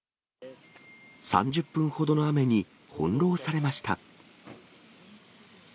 ３０分ほどの雨に翻弄されました。